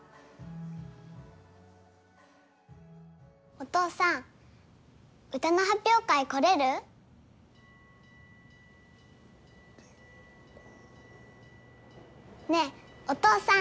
お父さん歌の発表会来れる？ねえお父さん。